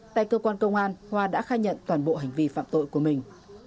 tại cơ quan công an hoa đã khai nhận toàn bộ hành vi phạm tội của mình